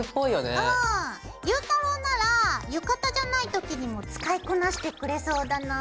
ゆうたろうなら浴衣じゃないときにも使いこなしてくれそうだな。